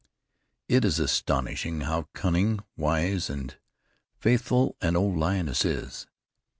It is astonishing how cunning, wise and faithful an old lioness is.